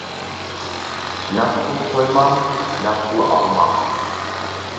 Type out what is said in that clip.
نەق پۇل قويماڭ، نەق پۇل ئالماڭ.